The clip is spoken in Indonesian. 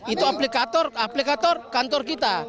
itu aplikator aplikator kantor kita